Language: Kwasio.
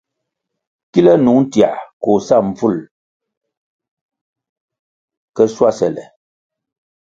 Kile nung tiãh koh sa mbvul le schuasele.